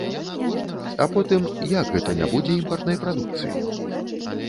А потым, як гэта не будзе імпартнай прадукцыі?